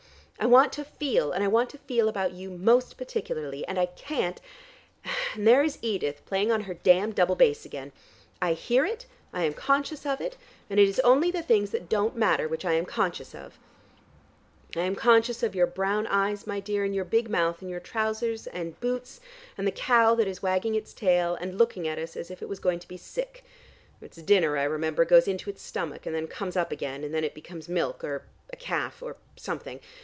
I want to feel, and I want to feel about you most particularly, and I can't, and there is Edith playing on her damned double bass again. I hear it, I am conscious of it, and it is only the things that don't matter which I am conscious of. I am conscious of your brown eyes, my dear, and your big mouth and your trousers and boots, and the cow that is wagging its tail and looking at us as if it was going to be sick. Its dinner, I remember, goes into its stomach, and then comes up again, and then it becomes milk or a calf or something.